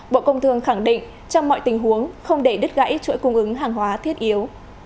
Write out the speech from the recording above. bộ công thương khẳng định trong mọi tình huống không để đứt gãy chuỗi cung ứng hàng hóa thiết yếu